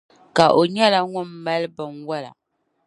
Ka o nyɛla ŋun mali binwola.